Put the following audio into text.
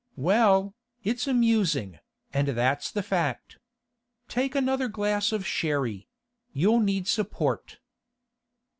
'Well, it's amusing, and that's the fact. Take another glass of sherry; you'll need support.